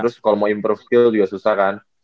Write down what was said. terus kalo mau improve skill juga susah kan